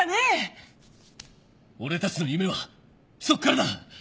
俺たちの夢はそっからだ。